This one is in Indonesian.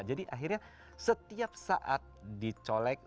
jadi akhirnya setiap saat dicolek